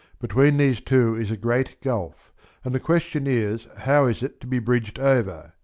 Between these two is a great gulf, and the question is how is it to be bridged over.